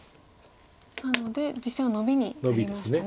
なので実戦はノビになりましたね。